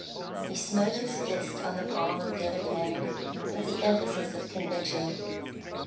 He smote his fist on the palm of the other hand with the emphasis of conviction.